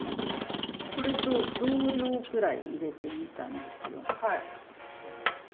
これと同量くらい入れていい感じですよ。